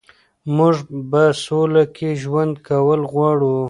موږ په سوله کې ژوند کول غواړو.